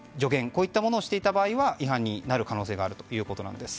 こういったものをしていた場合には違反にある可能性があるということです。